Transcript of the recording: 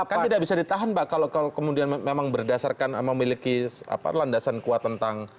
kan tidak bisa ditahan pak kalau kemudian memang berdasarkan memiliki landasan kuat tentang